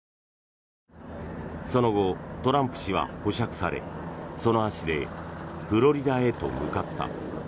その後、トランプ氏は保釈されその足でフロリダへと向かった。